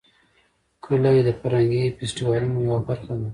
کلي د فرهنګي فستیوالونو یوه برخه ده.